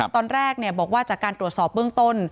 ตอนแรกบอกว่าจากการตรวจสอบเบื้องต้น